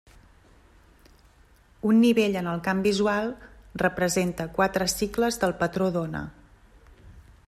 Un nivell en el camp visual representa quatre cicles del patró d'ona.